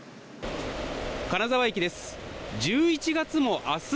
金沢駅です。